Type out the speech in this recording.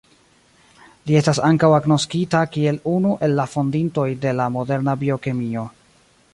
Li estas ankaŭ agnoskita kiel unu el la fondintoj de la moderna biokemio.